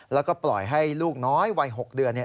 แล้วก็ปล่อยให้ลูกน้อยวัย๖เดือน